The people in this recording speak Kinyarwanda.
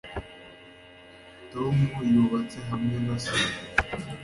Tom yubatse hamwe na se